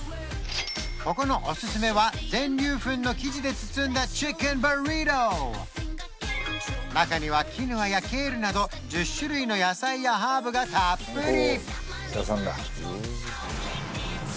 ここのおすすめは全粒粉の生地で包んだチキンブリトー中にはキヌアやケールなど１０種類の野菜やハーブがたっぷり！